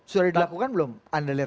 sudah dilakukan belum anda lihat